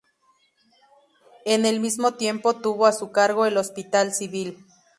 En el mismo tiempo tuvo a su cargo el Hospital Civil.